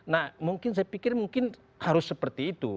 nah mungkin saya pikir mungkin harus seperti itu